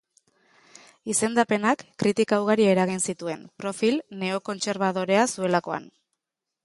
Izendapenak kritika ugari eragin zituen, profil neokontserbadorea zuelakoan.